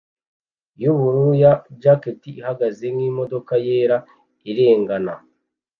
yubururu na jacketi ihagaze nkimodoka yera irengana